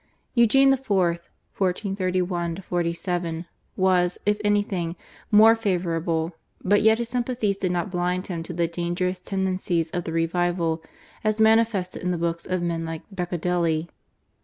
Eugene IV. (1431 47) was, if anything, more favourable, but yet his sympathies did not blind him to the dangerous tendencies of the revival as manifested in the books of men like Beccadelli.